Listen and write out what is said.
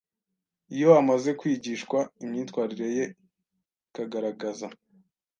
Iyo amaze kwigishwa imyitwarire ye ikagaragaza